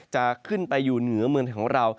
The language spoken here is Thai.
จะขึ้นไปอยู่เหนือเมืองของเรา